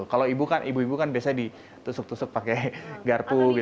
kalau ibu kan ibu ibu kan biasanya ditusuk tusuk pakai garpu